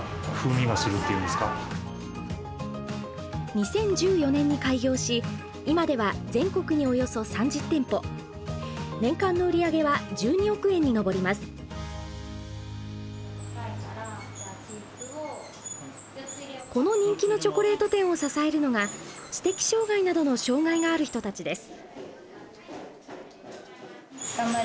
２０１４年に開業し今ではこの人気のチョコレート店を支えるのが知的障害などの障害がある人たちです。